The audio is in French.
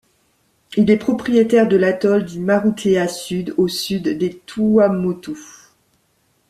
Il est propriétaire de l’atoll de Marutea Sud au sud des Tuamotu.